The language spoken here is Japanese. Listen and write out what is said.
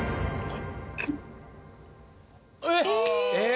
えっ？